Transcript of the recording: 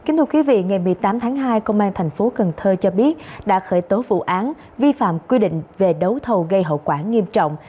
ngày một mươi tám tháng hai công an thành phố cần thơ cho biết đã khởi tố vụ án vi phạm quy định về đấu thầu gây hậu quả nghiêm trọng